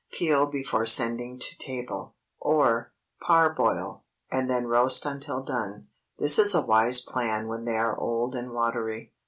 Peel before sending to table. Or, ✠ Parboil, and then roast until done. This is a wise plan when they are old and watery.